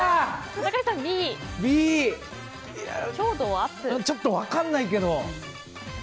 Ｂ、ちょっと分からないけど。